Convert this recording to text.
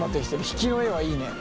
引きの絵はいいね。